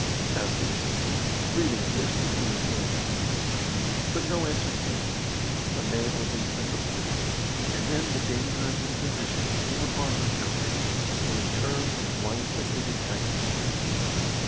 asked the assistant, breathing fiercely through his nose. But no answer came. The man was insensible. And then the danger of his position came upon Montgomery, and he turned as white as his antagonist.